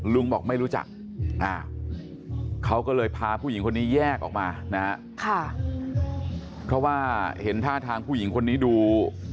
ลุงบอกไม่รู้จักเขาก็เลยพาผู้หญิงคนนี้แยกออกมานะฮะเพราะว่าเห็นท่าทางผู้หญิงคนนี้ดู